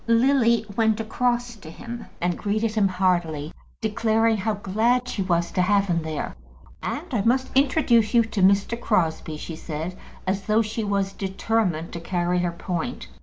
Lily went across to him and greeted him heartily, declaring how glad she was to have him there. "And I must introduce you to Mr. Crosbie," she said, as though she was determined to carry her point.